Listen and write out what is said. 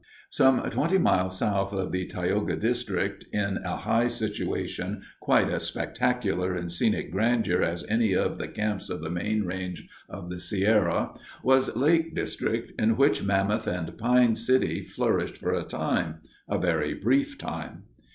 Some twenty miles south of the Tioga District, in a high situation quite as spectacular in scenic grandeur as any of the camps of the main range of the Sierra, was Lake District, in which Mammoth and Pine City flourished for a time—a very brief time.